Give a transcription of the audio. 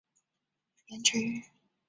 通常开环相位延迟反相。